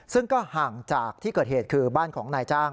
ซึ่งก็ห่างจากที่เกิดเหตุคือบ้านของนายจ้าง